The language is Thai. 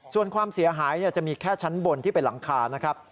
ส่วนความเสียหายจะมีแค่ชั้นบนที่เป็นหลังคานะครับ